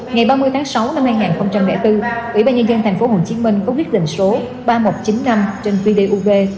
ngày ba mươi tháng sáu năm hai nghìn bốn ủy ban nhân dân tp hcm có quyết định số ba nghìn một trăm chín mươi năm trên vdub